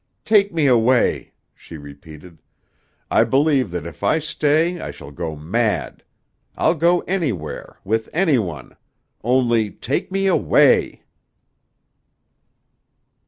"Take me away," she repeated. "I believe that if I stay I shall go mad. I'll go anywhere with any one. Only take me away."